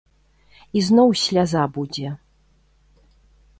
І зноў сляза будзе.